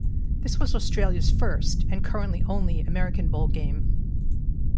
This was Australia's first, and currently only, American Bowl game.